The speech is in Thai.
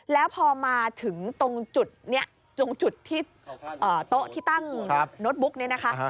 แล้วพอมาถึงตรงจุดนี้ตรงจุดที่โต๊ะที่ตั้งโน้ตบุ๊กเนี่ยนะคะ